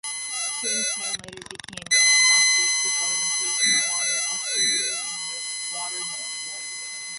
Ping Shan later became landlocked due to sedimentation along the estuary in water north.